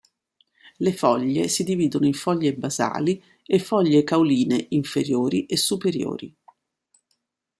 Le foglie si dividono in foglie basali e foglie cauline inferiori e superiori.